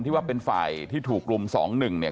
ที่ว่าเป็นฝ่ายที่ถูกรุ่มสองหนึ่งเนี่ย